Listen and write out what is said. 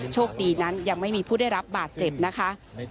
โชคดีนั้นยังไม่มีผู้ได้รับบาดเจ็บนะคะ